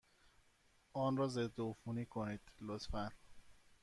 آن را ضدعفونی کنید، لطفا.